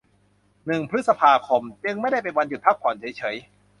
หนึ่งพฤษภาคม จึงไม่ได้เป็นวันหยุดพักผ่อนเฉยเฉย